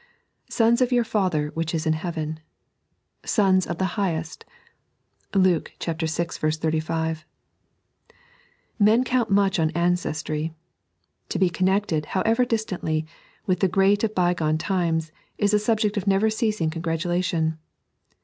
" Sons of your Father which is in Heaven ";" Sons of the Highest " (Lube vi. 35). Men count much on ancestry. To be connected, however distantly, with the great of bygone times, is a subject of never ceasing congratulation.